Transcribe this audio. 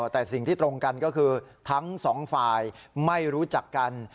แต่สิ่งที่ตรงกันก็คือทั้งสองฝ่ายไม่รู้จักกัน